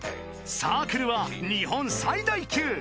［サークルは日本最大級］